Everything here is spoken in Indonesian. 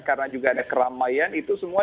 karena juga ada keramaian itu semua